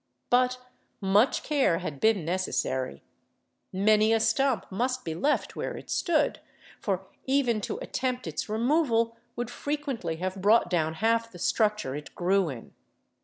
But much care had been necessary. Many a stump must be left where it stood, for even to attempt its removal would frequently have brought down half the structure it grew in.